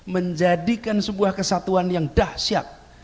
menjadikan sebuah kesatuan yang dahsyat